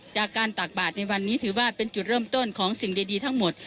ตากบาดในวันนี้ถือว่าเป็นจุดเริ่มต้นของสิ่งดีทั้งหมด